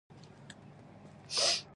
لرګی د کتابلیکنې چوکاټ جوړوي.